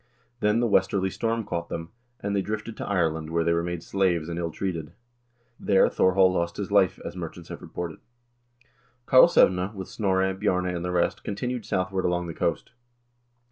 Then the westerly storm caught them, and they drifted to Ireland, where they were made slaves and ill treated. There Thorhall lost his life, as merchants have reported. "Karlsevne, with Snorre, Bjarne, and the rest, continued southward along the coast.